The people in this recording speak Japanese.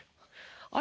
「あれ？